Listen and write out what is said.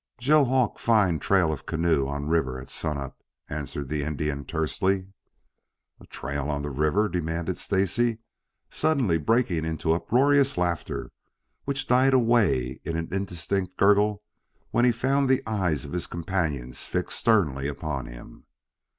"Joe Hawk find trail of canoe on river at sun up," answered the Indian tersely. "A trail on the river?" demanded Stacy, suddenly breaking into uproarious laughter, which died away in an indistinct gurgle when he found the eyes of his companions fixed sternly upon him.